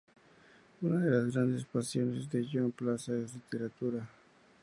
Una de las grandes pasiones de Joan Plaza es la literatura.